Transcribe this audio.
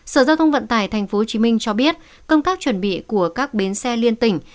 sở giao thông vận tải tp hcm cho biết công tác chuẩn bị của các bến xe liên tỉnh